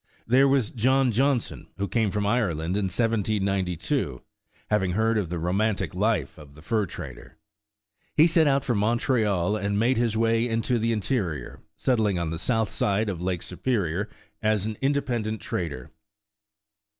There was John Johnson who came from Ireland in 1792, having heard of the romantic life of the fur trader. He set out from Montreal and made his way into the interior, settling on the South side of Lake Superior, as an independent trader.